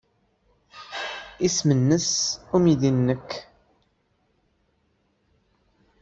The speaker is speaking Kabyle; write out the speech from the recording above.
Isem-nnes umidi-nnek?